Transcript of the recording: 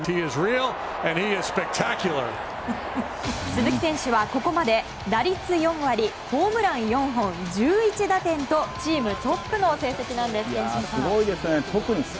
鈴木選手はここまで打率４割ホームラン４本１１打点とチームトップの成績なんです。